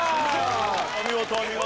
お見事お見事。